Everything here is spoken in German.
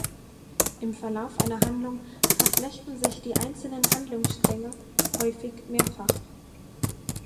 Im Verlauf einer Handlung verflechten sich die einzelnen Handlungsstränge häufig mehrfach.